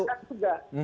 harus dibicarakan juga